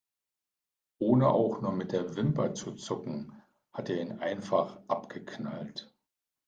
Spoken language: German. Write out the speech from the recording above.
Ohne auch nur mit der Wimper zu zucken, hat er ihn einfach abgeknallt.